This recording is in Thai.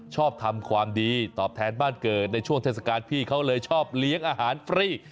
ชอบทำความดีตอบแทนบ้านเกิดในช่วงเทศกาลพี่เขาเลยชอบเลี้ยงอาหารฟรี